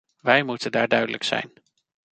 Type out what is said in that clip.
Wij moeten daar duidelijk zijn.